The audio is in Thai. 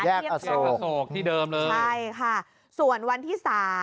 แยกเชิงอโศกที่เดิมเลยใช่ค่ะส่วนวันที่๓